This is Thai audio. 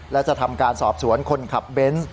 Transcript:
และจะทำการสอบสวนคนขับเบนส์